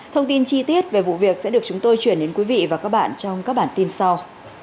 thông tin chi tiết về vụ việc sẽ được chúng tôi chuyển đến quý vị và các bạn trong các bản tin sau